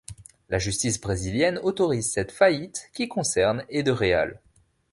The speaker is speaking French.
La justice brésilienne autorise cette faillite, qui concerne et de real.